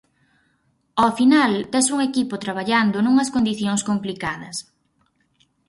Ao final, tes un equipo traballando nunhas condición complicadas.